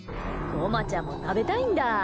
こまちゃんも食べたいんだ。